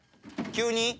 急に？